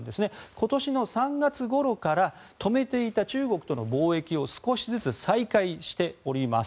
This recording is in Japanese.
今年の３月ごろから止めていた中国との貿易を少しずつ再開しております。